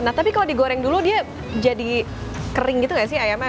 nah tapi kalau digoreng dulu dia jadi kering gitu gak sih ayamnya